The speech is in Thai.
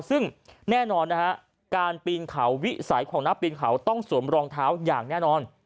ซึ่งแน่นอนนะฮะการปีนเขาวิสัยของนักปีนเขาต้องสวมรองเท้าอย่างแน่นอน